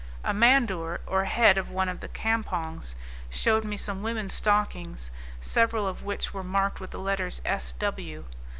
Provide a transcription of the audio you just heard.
A Mandoor, or head of one of the campongs, showed me some women's stockings, several of which were marked with the letters S.W.